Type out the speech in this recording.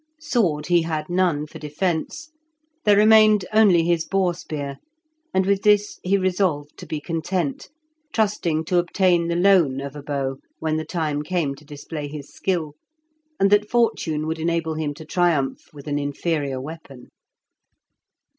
Sword he had none for defence; there remained only his boar spear, and with this he resolved to be content, trusting to obtain the loan of a bow when the time came to display his skill, and that fortune would enable him to triumph with an inferior weapon.